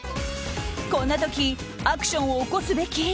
こんな時アクションを起こすべき？